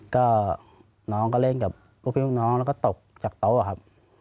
ก็น้องก็เล่นกับพวกพี่ลูกน้องแล้วก็ตกจากโต๊ะครับ